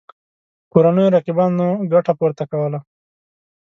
کورنیو رقیبانو ګټه پورته کوله.